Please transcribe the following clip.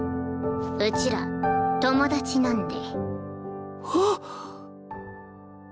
うちら友達なんで。